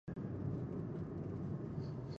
ازبکستان سره ګډه سوداګريزه هوکړه لاسلیک شوه